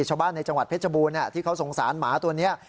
ชาวบ้านในจังหวัดเพชรบูรณ์ที่เขาสงสารหมาตัวนี้